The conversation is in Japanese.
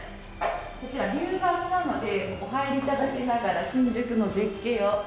こちらビューバスなのでお入り頂きながら新宿の絶景を。